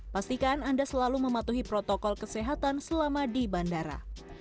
pastikan anda selalu mematuhi protokol kesehatan selama di bandara